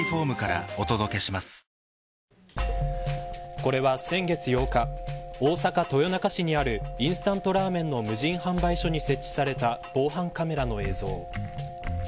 これは、先月８日大阪、豊中市にあるインスタントラーメンの無人販売所に設置された防犯カメラの映像。